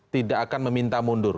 tidak akan meminta mundur